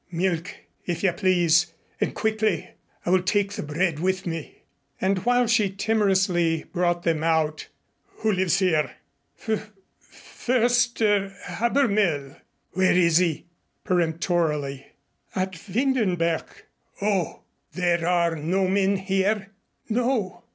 "Milk, if you please, and quickly. I will take the bread with me." And while she timorously brought them out, "Who lives here?" "F Förster Habermehl." "Where is he?" peremptorily. "At Windenberg." "Oh! There are no men here?" "No."